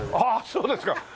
そうですか。